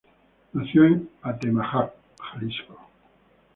Nació en Atemajac, Jalisco.